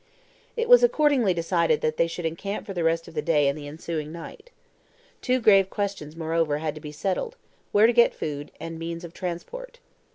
It was accordingly decided that they should encamp for the rest of the day and the ensuing night. Two grave questions, moreover, had to be settled: where to get food, and means of transport.